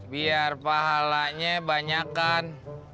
biar pahalanya banyakan